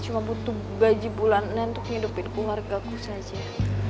cuma butuh gaji bulanannya untuk menghidupi keluarga saya saja